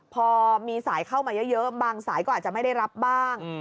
พอมีสายเข้ามาเยอะบางสายก็อาจจะไม่ได้รับบ้าง